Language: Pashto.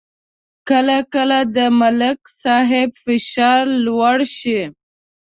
کله کله د ملک صاحب فشار لوړ شي